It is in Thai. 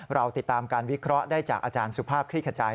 เราติดตามการวิเคราะห์ได้จากอาจารย์สุภาพคลี่ขจาย